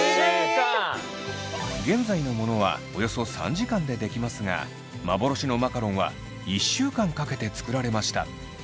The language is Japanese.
現在のものはおよそ３時間で出来ますが幻のマカロンは１週間かけて作られました。